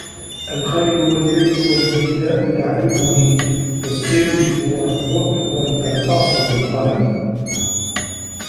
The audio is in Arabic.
الخَيْـلُ وَاللّيْـلُ وَالبَيْـداءُ تَعرِفُنـي وَالسّيفُ وَالرّمحُ والقرْطاسُ وَالقَلَـم